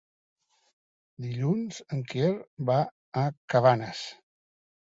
Dilluns en Quer va a Cabanes.